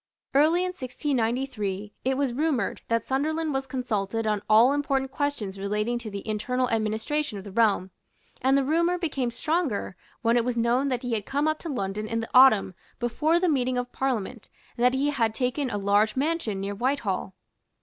Early in 1693, it was rumoured that Sunderland was consulted on all important questions relating to the internal administration of the realm; and the rumour became stronger when it was known that he had come up to London in the autumn before the meeting of Parliament and that he had taken a large mansion near Whitehall.